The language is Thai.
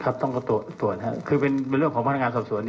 ครับต้องก็ตรวจนะครับคือเป็นเรื่องของพ่อพนักงานสอบสวน